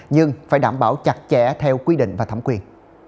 nhưng phải đảm bảo chặt chẽ theo quy định và thẩm quyền